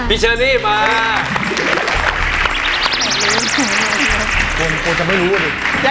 พี่เชอร์รี่มา